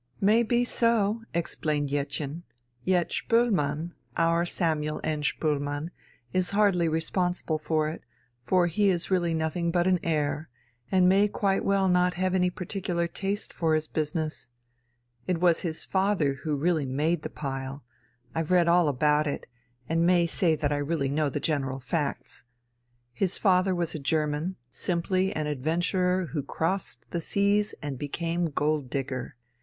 "May be so," explained Jettchen, "yet Spoelmann our Samuel N. Spoelmann is hardly responsible for it, for he is really nothing but an heir, and may quite well not have had any particular taste for his business. It was his father who really made the pile, I've read all about it, and may say that I really know the general facts. His father was a German simply an adventurer who crossed the seas and became gold digger.